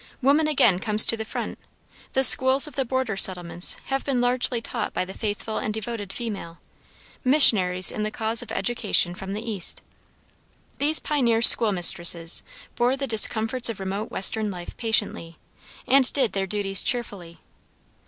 Woman again comes to the front; the schools of the border settlements have been largely taught by the faithful and devoted female, missionaries in the cause of education from the east. These pioneer school mistresses bore the discomforts of remote western life patiently, and did their duties cheerfully.